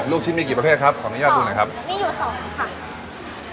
ลูกชิ้นมีกี่ประเภทครับขออนุญาตดูหน่อยครับมีอยู่สองค่ะ